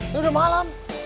ini udah malam